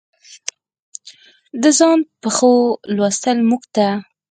د ځان پېښو لوستل موږ ته